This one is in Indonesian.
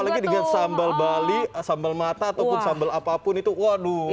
apalagi dengan sambal bali sambal mata ataupun sambal apapun itu waduh